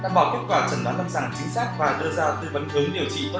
đảm bảo kết quả trần đoán lâm sàng chính xác và đưa ra tư vấn hướng điều trị tốt